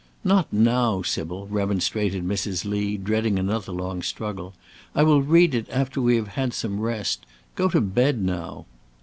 "Not now, Sybil!" remonstrated Mrs. Lee, dreading another long struggle. "I will read it after we have had some rest. Go to bed now!"